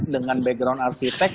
dengan background arsitek